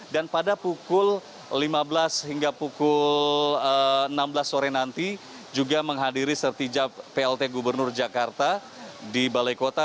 dan pada pukul lima belas hingga pukul enam belas sore nanti juga menghadiri setiap plt gubernur jakarta di balai kota